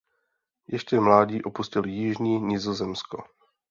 Ještě v mládí opustil jižní Nizozemsko.